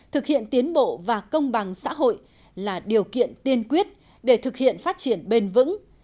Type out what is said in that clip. thực hiện tiến bộ và công bằng xã hội là điều kiện tiên quyết để thực hiện phát triển bền vững